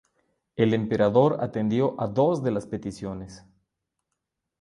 El emperador atendió a dos de las peticiones.